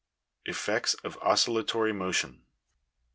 Effects of oscillatory motion.